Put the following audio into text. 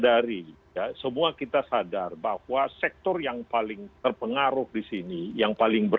secara khusus kami menyadari ya semua kita sadar bahwa sektor yang paling terpengaruh di sini yang paling berat